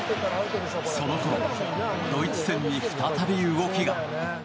そのころドイツ戦に再び動きが。